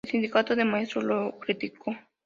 El sindicato de maestros lo criticó.